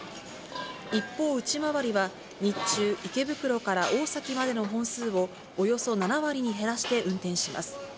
一方、内回りは日中、池袋から大崎までの本数を、およそ７割に減らして運転します。